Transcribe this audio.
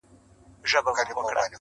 چي ډېر وائې، لږ خېژي.